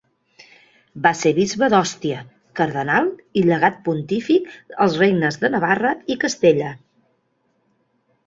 Va ser bisbe d'Òstia, cardenal i llegat pontific als regnes de Navarra i Castella.